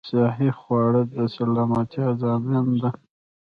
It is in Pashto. صحې خواړه د سلامتيا ضامن ده